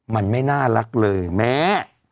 มันไม่น่ารักเลยแม้